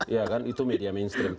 ya kan itu media mainstream